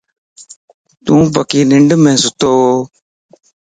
يوپڪي ننڍم ستووَ